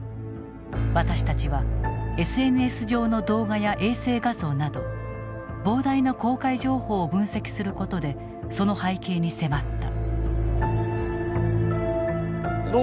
私たちはＳＮＳ上の動画や衛星画像など膨大な公開情報を分析することでその背景に迫った。